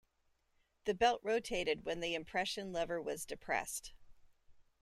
The belt rotated when the impression lever was depressed.